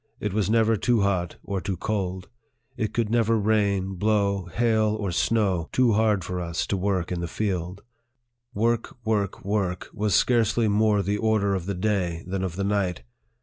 It was never too hot or too cold ; it could never rain, blow, hail, or snow, too hard for us to work in the field. Work, work, work, was scarcely more the order of the day than of the night.